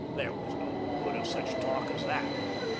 There was no good of such talk as that.